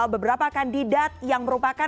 beberapa kandidat yang berpengalaman